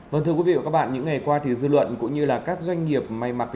vâng thưa quý vị và các bạn những ngày qua thì dư luận cũng như là các doanh nghiệp may mặc